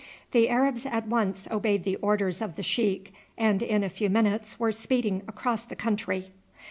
The Arabs at once obeyed the orders of the sheik and in a few minutes were speeding across the country.